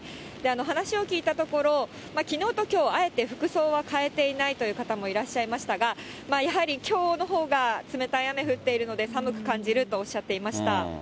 話を聞いたところ、きのうときょう、あえて服装は変えていないという方もいらっしゃいましたが、やはりきょうのほうが冷たい雨降っているので、寒く感じるとおっしゃっていました。